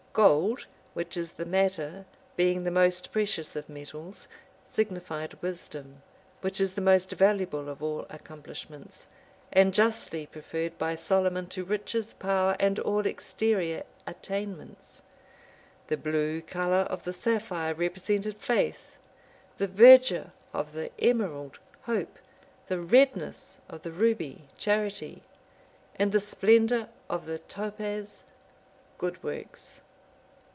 Gold, which is the matter, being the most precious of metals, signified wisdom, which is the most valuable of all accomplishments, and justly preferred by Solomon to riches, power, and all exterior attainments. The blue color of the sapphire represented faith; the verdure of the emerald, hope; the redness of the ruby, charity; and the splendor of the topaz, good works.